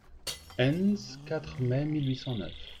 Enns, quatre mai mille huit cent neuf.